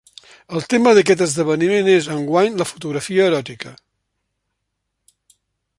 El tema d'aquest esdeveniment és, enguany, la fotografia eròtica.